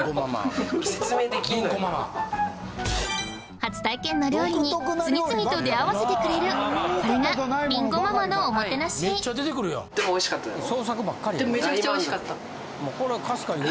初体験の料理に次々と出会わせてくれるこれがビンコママのおもてなしでもおいしかったやろ？